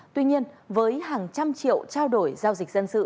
tuy nhiên với hàng trăm triệu trao đổi giao dịch dân sự